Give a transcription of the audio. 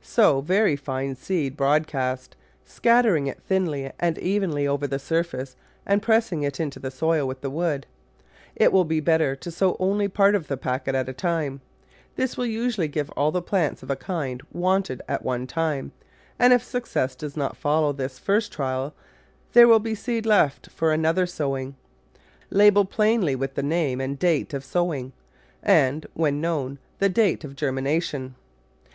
Sow very fine seed broadcast, scattering it thinly and evenly over the surface and pressing it into the soil with the wood. It will be better to sow only part of a packet at a time. This will usually give all the plants of a kind wanted at one time, and if suc cess does not follow this first trial there will be seed left for another sowing: Label plainly with the name and date of sowing, and, when known, the date of germination.